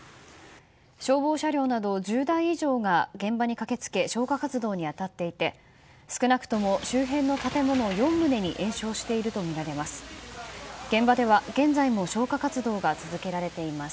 消防車両など１０台以上が現場に駆け付け消火活動に当たっていて少なくとも周辺の建物４棟に延焼しているとみられます。